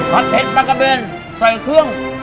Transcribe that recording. พัสเพชรปะกะเป่นใส่เครื่อง